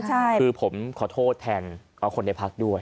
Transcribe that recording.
คือผมขอโทษแทนคนในพักด้วย